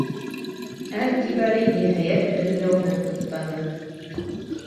Әл-Кибари, ниһайәт, дерелдәүенән туҡтаны.